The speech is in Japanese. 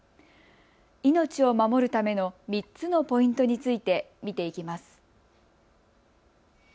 命を守るための３つのポイントについて見ていきます。